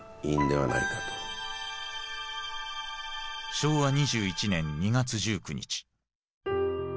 昭和２１年２月１９日。